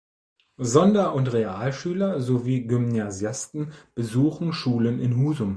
Sonder- und Realschüler, sowie Gymnasiasten besuchen Schulen in Husum.